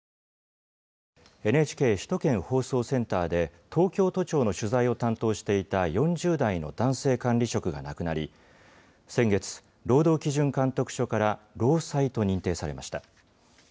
ＮＨＫ首都圏放送センターで東京都庁の取材を担当していた４０代の男性管理職が亡くなり先月、労働基準監督署から労災と認定されました。